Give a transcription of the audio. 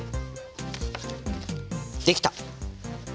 できた！